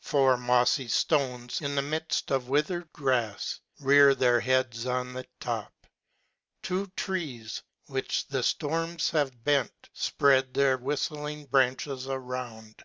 Four mofly ftones, in the midft of withered grafs, rear their heads on the top. Two trees, which the ftorms have bent, fpread their Avhiftling branches around.